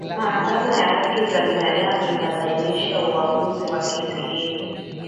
mahakama ya haki za binadamu ilibainisha uamuzi wa kesi hiyo